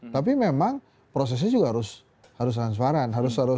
tapi memang prosesnya juga harus transparan